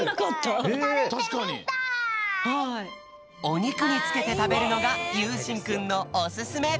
おにくにつけてたべるのがゆうしんくんのおすすめ！